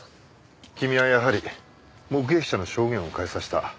君はやはり目撃者の証言を変えさせた。